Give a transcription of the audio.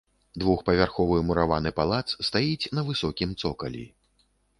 Двухпавярховы мураваны палац стаіць на высокім цокалі.